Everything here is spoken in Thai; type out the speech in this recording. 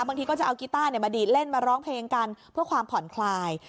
บางทีก็จะเอากีต้ามาดีดเล่นมาร้องเพลงกันเพื่อความผ่อนคลาย